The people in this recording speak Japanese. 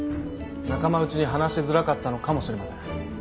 仲間内に話しづらかったのかもしれません。